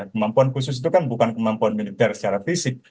kemampuan khusus itu kan bukan kemampuan militer secara fisik